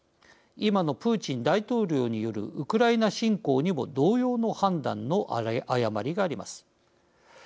今のプーチン大統領によるウクライナ侵攻にも同様の判断の誤りがあります。